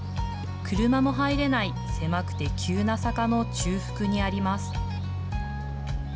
車も入れない、狭くて急な坂の中腹にあります。